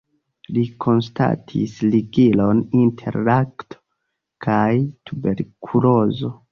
Li konstatis ligilon inter lakto kaj tuberkulozo.